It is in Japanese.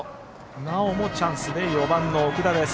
なおもチャンスで４番の奥田です。